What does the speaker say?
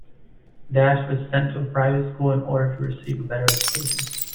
Dash was sent to a private school in order to receive a better education.